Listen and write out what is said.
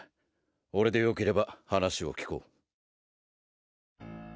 俺でよければ話を聞こう。